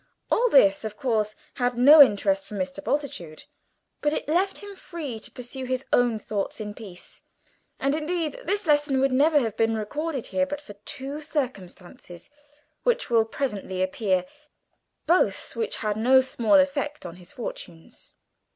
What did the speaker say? All this, of course, had no interest for Mr. Bultitude, but it left him free to pursue his own thoughts in peace, and indeed this lesson would never have been recorded here, but for two circumstances which will presently appear, both of which had no small effect on his fortunes.